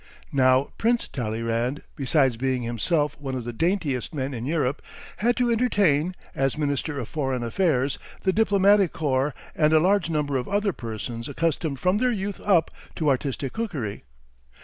Now Prince Talleyrand, besides being himself one of the daintiest men in Europe, had to entertain, as minister of foreign affairs, the diplomatic corps, and a large number of other persons accustomed from their youth up to artistic cookery.